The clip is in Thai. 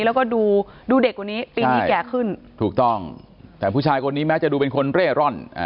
แล้วก็ดูดูเด็กกว่านี้ปีนี้แก่ขึ้นถูกต้องแต่ผู้ชายคนนี้แม้จะดูเป็นคนเร่ร่อน